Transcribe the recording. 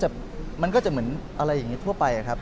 แต่มันก็จะเหมือนอะไรอย่างนี้ทั่วไปครับ